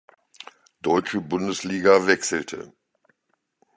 Deutsche Bundesliga wechselte.